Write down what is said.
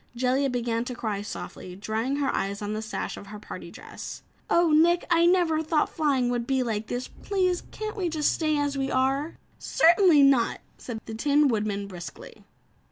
Jellia began to cry softly, drying her eyes on the sash of her party dress. "Oh, Nick, I never thought flying would be like this. Please can't we just stay as we are?" "Certainly not," said the Tin Woodman briskly.